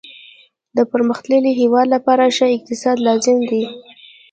د پرمختللي هیواد لپاره ښه اقتصاد لازم دی